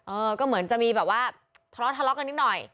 ก็เหมือนจะมีแบบว่าทะเลาะทะเลาะกันนิดหน่อย